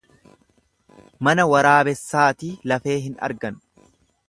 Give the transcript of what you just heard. Mana waraabessaatii lafee hin argan.